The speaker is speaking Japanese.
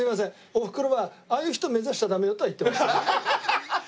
おふくろはああいう人目指しちゃダメよとは言ってました。